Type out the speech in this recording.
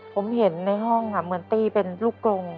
ผมเห็นในห้องเหมือนตี้เป็นลูกกลง